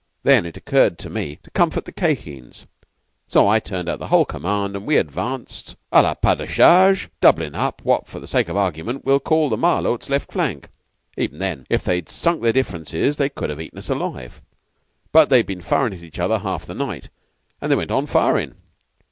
"Then it occurred to me to comfort the Khye Kheens. So I turned out the whole command, and we advanced à la pas de charge, doublin' up what, for the sake of argument, we'll call the Malôts' left flank. Even then, if they'd sunk their differences, they could have eaten us alive; but they'd been firin' at each other half the night, and they went on firin'.